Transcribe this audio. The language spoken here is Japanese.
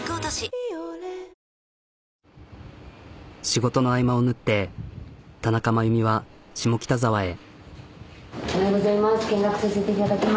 仕事の合間を縫って田中真弓は下北沢へ。